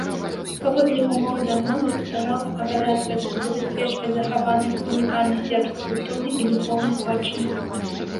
Паводле ўмоў дамовы ўстановы абавязваюцца забяспечваць захаванасць унікальнай сербскай культурнай і духоўнай спадчыны.